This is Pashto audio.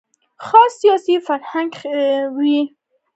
خاص سیاسي فرهنګ ښيي.